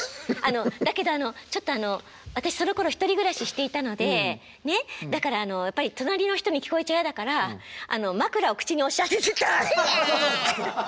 だけどあのちょっと私そのころ１人暮らししていたのでねっだからやっぱり隣の人に聞こえちゃ嫌だから枕を口に押し当てて「ドリャッ！」。